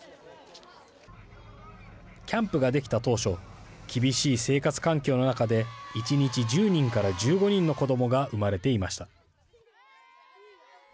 キャンプができた当初厳しい生活環境の中で１日１０人から１５人の子どもが産まれていました。